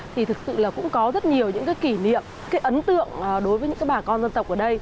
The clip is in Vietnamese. thì thực sự là cũng có rất nhiều những kỷ niệm ấn tượng đối với những bà con dân tộc ở đây